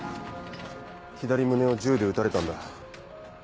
左胸を銃で撃たれたんだ。